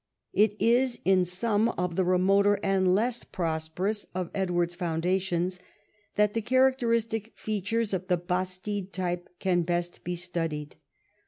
It is in some of the remoter and less prosperous of Edward's foundations that the characteristic features of the bastide tyj)e can best be studied.